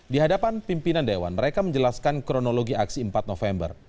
di hadapan pimpinan dewan mereka menjelaskan kronologi aksi empat november